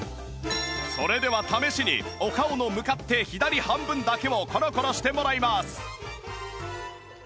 それでは試しにお顔の向かって左半分だけをコロコロしてもらいます